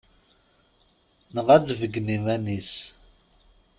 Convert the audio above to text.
Neɣ ad beyyen iman-is.